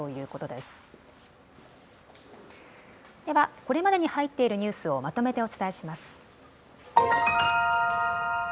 ではこれまでに入っているニュースをまとめてお伝えします。